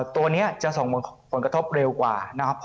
ตัวนี้จะส่งผลกระทบเร็วกว่านะครับ